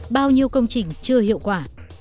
bao nhiêu công trình chưa hiệu quả